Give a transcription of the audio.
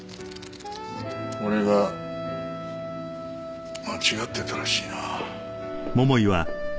俺が間違ってたらしいな。